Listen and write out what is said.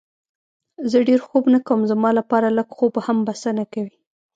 زه ډېر خوب نه کوم، زما لپاره لږ خوب هم بسنه کوي.